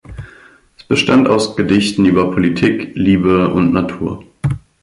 Es bestand aus Gedichten über Politik, Liebe und Natur.